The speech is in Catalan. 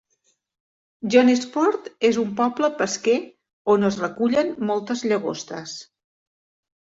Jonesport és un poble pesquer on es recullen moltes llagostes.